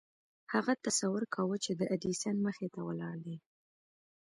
هغه تصور کاوه چې د ايډېسن مخې ته ولاړ دی.